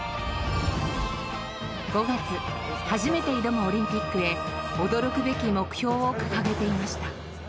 ５月、初めて挑むオリンピックへ驚くべき目標を掲げていました。